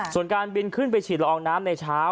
ส่วนการบินขึ้นไปฉีดละอองน้ำในเช้า